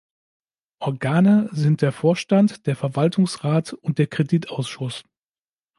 Organe sind der Vorstand, der Verwaltungsrat und der Kreditausschuss.